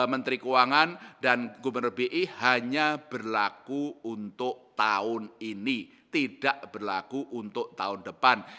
menteri keuangan dan gubernur bi hanya berlaku untuk tahun ini tidak berlaku untuk tahun depan